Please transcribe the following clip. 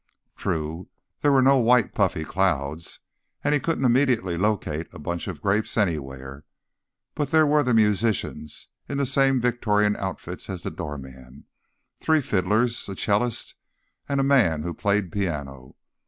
True, there were no white puffy clouds, and he couldn't immediately locate a bunch of grapes anywhere. But there were the musicians, in the same Victorian outfits as the doorman: three fiddlers, a cellist, and a man who played piano.